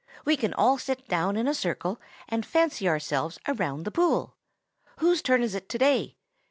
We can all sit down in a circle, and fancy ourselves around the pool. Whose turn is it to day?